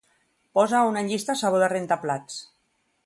Posa a una llista sabó de rentaplats.